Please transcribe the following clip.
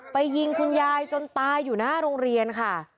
ยิงคุณยายจนตายอยู่หน้าโรงเรียนค่ะ